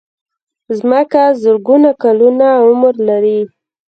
مځکه زرګونه کلونه عمر لري.